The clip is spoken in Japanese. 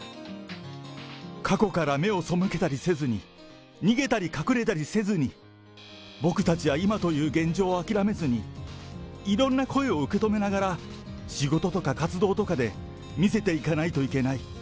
過去から目を背けたりせずに、逃げたり隠れたりせずに、僕たちは今という現状を諦めずに、いろんな声を受け止めながら、仕事とか活動とかで見せていかないといけない。